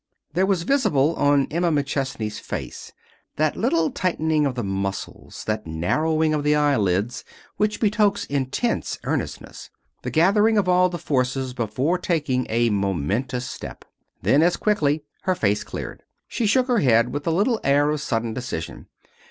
There was visible on Emma McChesney's face that little tightening of the muscles, that narrowing of the eyelids which betokens intense earnestness; the gathering of all the forces before taking a momentous step. Then, as quickly, her face cleared. She shook her head with a little air of sudden decision.